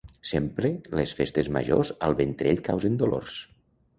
Sempre les festes majors al ventrell causen dolors.